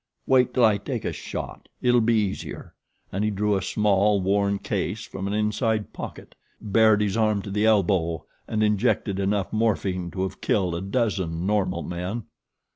Wait till I take a shot it'll be easier," and he drew a small, worn case from an inside pocket, bared his arm to the elbow and injected enough morphine to have killed a dozen normal men.